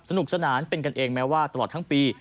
สนุกสนานเป็นกันเองแม้ว่าตลอดทั้งปี